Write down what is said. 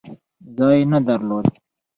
ځای نه درلود.